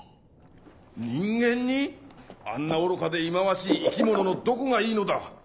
人間に⁉あんな愚かで忌まわしい生き物のどこがいいのだ！